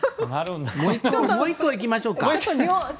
もう１個いきましょうか。